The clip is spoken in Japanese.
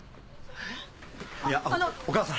いやあのお母さん。